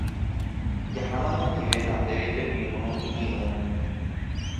Jahána oñondive ha nde reipepirũ iñirũme.